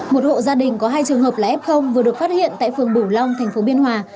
một hộ gia đình có hai trường hợp là f vừa được phát hiện tại phường bửu long thành phố biên hòa